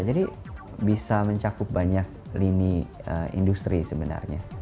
jadi bisa mencakup banyak lini industri sebenarnya